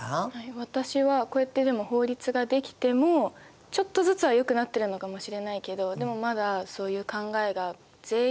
私はこうやってでも法律が出来てもちょっとずつはよくなってるのかもしれないけどでもまだそういう考えが全員が全員分かってるわけではないから